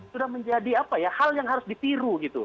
sudah menjadi apa ya hal yang harus ditiru gitu